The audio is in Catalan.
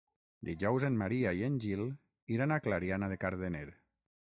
Dijous en Maria i en Gil iran a Clariana de Cardener.